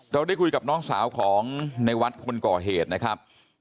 เราได้คุยกับน้องสาวของในวัดคนก่อเหตุนะครับ